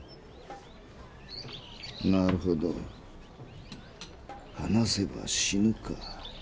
なるほど「話せば死ぬ」か。